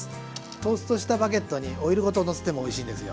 トーストしたバゲットにオイルごとのせてもおいしいんですよ。